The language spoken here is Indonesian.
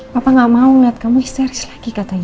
papa gak mau ngeliat kamu histeris lagi katanya